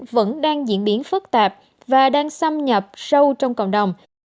vẫn đang diễn biến phức tạp và đang xâm nhập sâu trong cộng đồng